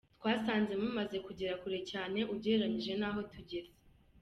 Twasanze mumaze kugera kure cyane ugereranije n’aho tugeze.